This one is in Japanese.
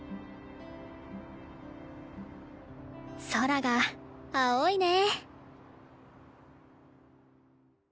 空が青いね。